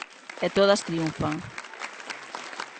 E todas triunfan.